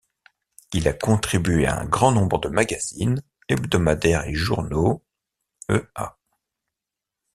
Il a contribué à un grand nombre de magazines, hebdomadaires et journaux, e.a.